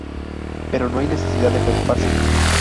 Pero no hay necesidad de preocuparse.